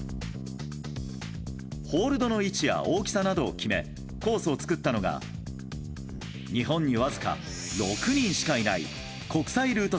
ホールドの位置や大きさなどを決め、コースを作ったのが日本にわずか６人しかいない国際ルート